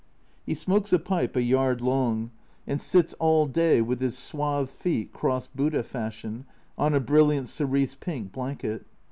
He smokes a pipe a yard long, and sits all day, with his swathed feet crossed Buddha fashion, on a brilliant cerise pink blanket.